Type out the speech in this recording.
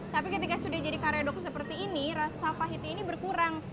tapi ketika sudah jadi karedok seperti ini rasa pahitnya ini berkurang